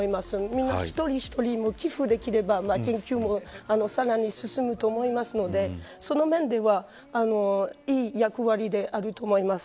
みんな一人一人寄付できれば研究もさらに進むと思うのでその面ではいい役割であると思います。